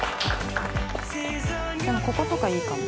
こことかいいかも。